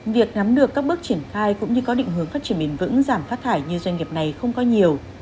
việc nắm được các bước triển khai cũng như có định hướng phát triển bền vững giảm phát thải như doanh nghiệp này không có nhiều